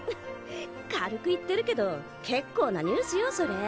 軽く言ってるけど結構なニュースよそれ。